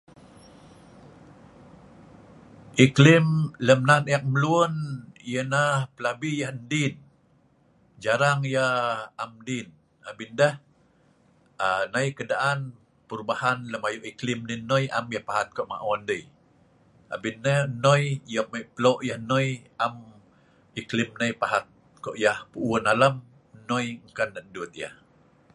Lem nan eek m’lun, pelabi yah en din, abin siw en noi , am ku dut pu in alam.